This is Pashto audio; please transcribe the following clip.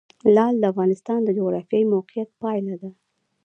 لعل د افغانستان د جغرافیایي موقیعت پایله ده.